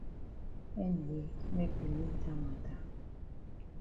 Anyway make we leave dat mata.